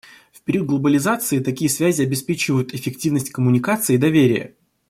В период глобализации такие связи обеспечивают эффективность коммуникаций и доверие.